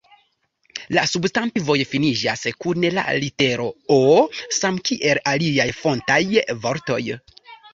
La substantivoj finiĝas kun la litero “O” samkiel aliaj fontaj vortoj.